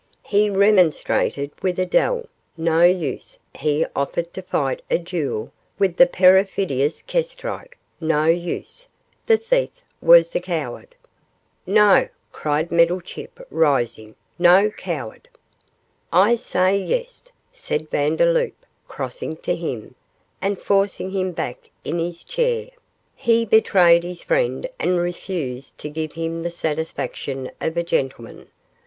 He remonstrated with Adele, no use; he offered to fight a duel with the perfidious Kestrike, no use; the thief was a coward.' 'No,' cried Meddlechip, rising, 'no coward.' 'I say, yes!' said Vandeloup, crossing to him, and forcing him back in his chair; 'he betrayed his friend and refused to give him the satisfaction of a gentleman.